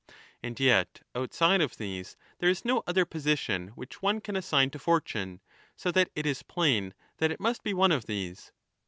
And yet outside of these there is no other position which one can assign to fortune, so that it is plain that it must be one of these.